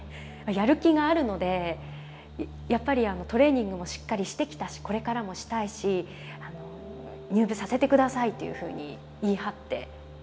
やる気があるのでやっぱりトレーニングもしっかりしてきたしこれからもしたいし入部させて下さいというふうに言い張って。